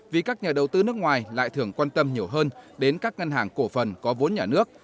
vì các nhà đầu tư nước ngoài lại thường quan tâm nhiều hơn đến các ngân hàng cổ phần có vốn nhà nước